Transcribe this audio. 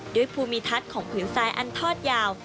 ภูมิทัศน์ของผืนทรายอันทอดยาว